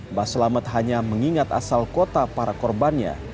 mbah selamet hanya mengingat asal kota para korbannya